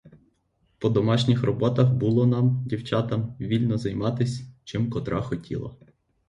По домашніх роботах було нам, дівчатам, вільно займатись, чим котра хотіла.